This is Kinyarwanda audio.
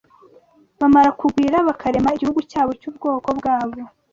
Bamara kugwira, bakarema Igihugu cyabo cy’Ubwoko bwabo